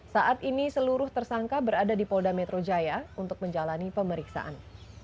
saat ini seluruh tersangka berada di polda metro jaya untuk menjalani pemeriksaan